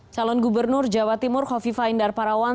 salon gubernur jawa timur hovifa indar parawan